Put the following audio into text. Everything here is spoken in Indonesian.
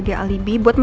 nggak ada di jakarta